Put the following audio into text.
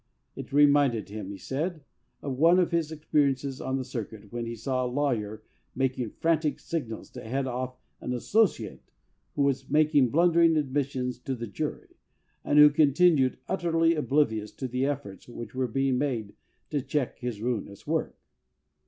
It reminded him, he said, of one of his experiences on the circuit when he saw a lawyer making frantic signals to head off an associate who was making blundering admissions to the jury, and who continued utterly oblivious to the efforts which were being made to check his ruinous work.